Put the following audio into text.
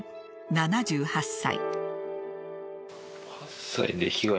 ７８歳。